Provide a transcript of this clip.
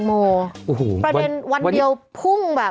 ข่าวคุณแตงโมประเด็นวันเดียวพุ่งว่า